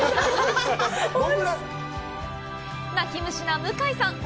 泣き虫な向井さん。